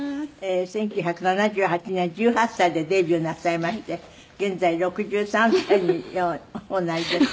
１９７８年１８歳でデビューなさいまして現在６３歳におなりです。